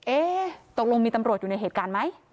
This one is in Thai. ตกลงมีตำรวจอยู่ในเหตุการณ์ไหม